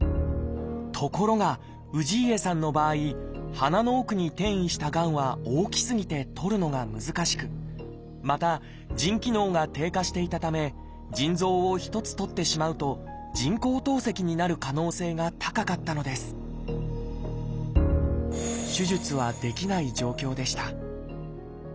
ところが氏家さんの場合鼻の奥に転移したがんは大きすぎてとるのが難しくまた腎機能が低下していたため腎臓を１つとってしまうと人工透析になる可能性が高かったのです手術はできない状況でした。